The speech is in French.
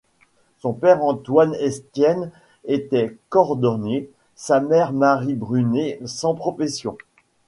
Son père Antoine Estienne était cordonnier, sa mère Marie Brunet, sans profession.